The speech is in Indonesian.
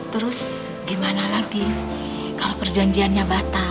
terus gimana lagi kalau perjanjiannya batal